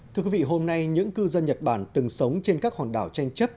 thưa quý vị hôm nay những cư dân nhật bản từng sống trên các hòn đảo tranh chấp